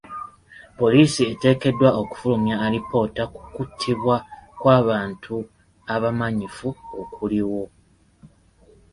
Poliisi eteekeddwa okufulumya alipoota ku kuttibwa kw'abantu abamanyifu okuliwo.